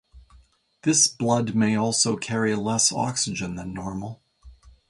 This blood may also carry less oxygen than normal.